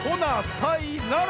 さいなら！